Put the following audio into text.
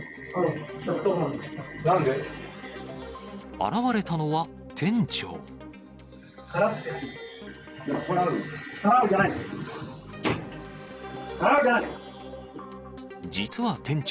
現れたのは、店長。